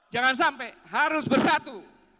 jangan sampai harus bersatu